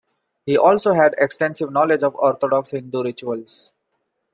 He also had extensive knowledge of orthodox Hindu rituals.